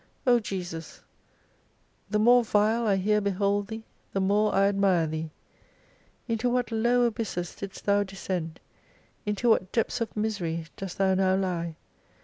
O Jesus, the more vile I here behold Thee, the more I admire Thee. Into what low abysses didst Thou descend, into what depths of misery dost Thou now lie